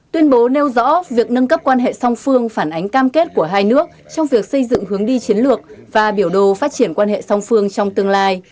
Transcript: tuyên bố nêu rõ việc nâng cấp quan hệ song phương phản ánh cam kết của hai nước trong việc xây dựng hướng đi chiến lược và biểu đồ phát triển quan hệ song phương trong tương lai